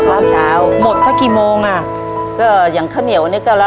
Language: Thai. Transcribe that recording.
ทับผลไม้เยอะเห็นยายบ่นบอกว่าเป็นยังไงครับ